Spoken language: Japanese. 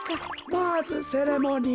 まずセレモニー。